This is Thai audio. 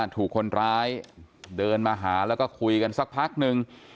ถูกคนร้ายเดินมาหาแล้วก็คุยกันสักพักนึง